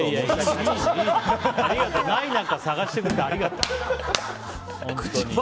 いやいやない中、探してくれてありがとう。